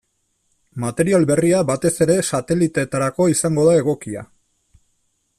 Material berria batez ere sateliteetarako izango da egokia.